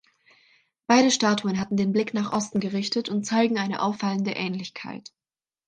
Beide Statuen hatten den Blick nach Osten gerichtet und zeigen eine auffallende Ähnlichkeit.